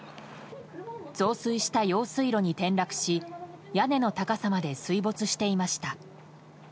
増水した用水路に転落し屋根の高さまで水没していました。